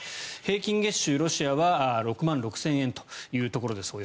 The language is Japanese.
平均月収、ロシアは６万６０００円というところ。